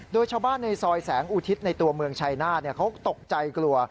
โดยชาวบ้านในซอยแสงอุทิศในตัวเมืองชายนาฏเขาตกใจกลัว